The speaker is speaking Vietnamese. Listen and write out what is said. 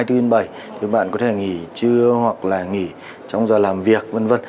thì các bạn có thể nghỉ trưa hoặc là nghỉ trong giờ làm việc vân vân